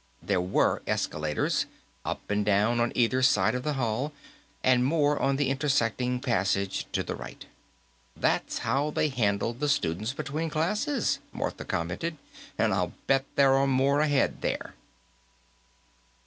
There were escalators, up and down, on either side of the hall, and more on the intersecting passage to the right. "That's how they handled the students, between classes," Martha commented. "And I'll bet there are more ahead, there."